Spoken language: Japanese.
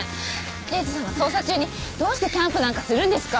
刑事さんが捜査中にどうしてキャンプなんかするんですか？